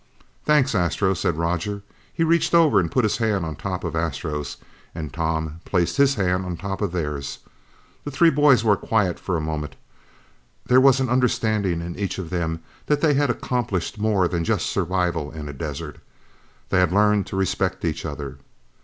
"Thanks, Astro," said Roger. He reached over and put his hand on top of Astro's, and then Tom placed his hand on top of theirs. The three boys were quiet for a moment. There was an understanding in each of them that they had accomplished more than just survival in a desert. They had learned to respect each other.